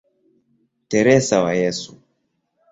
Teresa wa Yesu".